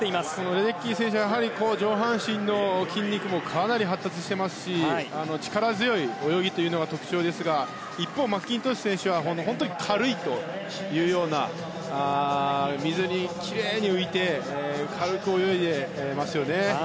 レデッキー選手上半身の筋肉もかなり発達していますし力強い泳ぎが特徴ですがマッキントッシュ選手は軽いというような水にきれいに浮いて軽く泳いでいますよね。